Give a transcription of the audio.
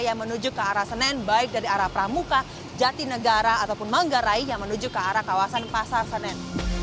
yang menuju ke arah senen baik dari arah pramuka jatinegara ataupun manggarai yang menuju ke arah kawasan pasar senen